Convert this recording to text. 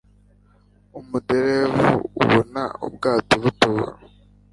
umuderevu ubona ubwato butobora